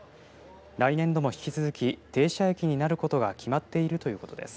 来年度も引き続き停車駅になることが決まっているということです。